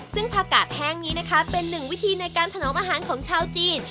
ซึ่งผักกาดแห้งนี้นะคะเป็นหนึ่งวิธีในการถนอมอาหารของชาวจีน